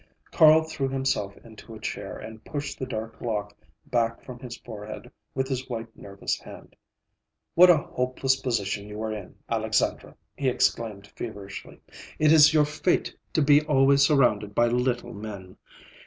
Carl threw himself into a chair and pushed the dark lock back from his forehead with his white, nervous hand. "What a hopeless position you are in, Alexandra!" he exclaimed feverishly. "It is your fate to be always surrounded by little men.